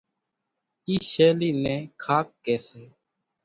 اِي شيلي نين کاڪ ڪي سي